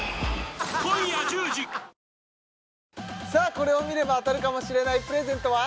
これを見れば当たるかもしれないプレゼントは？